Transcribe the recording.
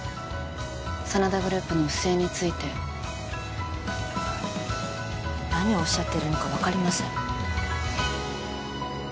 真田グループの不正について何をおっしゃってるのか分かりません